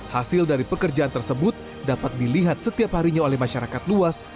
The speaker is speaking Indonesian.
hasil dari pekerjaan tersebut dapat dilihat setiap harinya oleh masyarakat luas